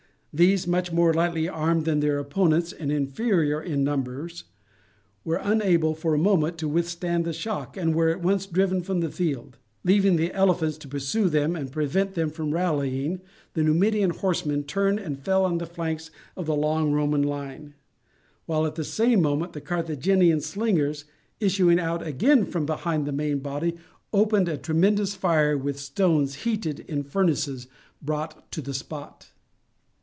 These, much more lightly armed than their opponents and inferior in numbers, were unable for a moment to withstand the shock, and were at once driven from the field. Leaving the elephants to pursue them and prevent them from rallying, the Numidian horsemen turned and fell on the flanks of the long Roman line; while at the same moment the Carthaginian slingers, issuing out again from behind the main body, opened a tremendous fire with stones heated in furnaces brought to the spot.